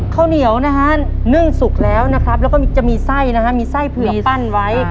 ข้าวเหนียวนะฮะนึ่งสุกแล้วนะครับแล้วก็จะมีไส้นะฮะมีไส้เผือกปั้นไว้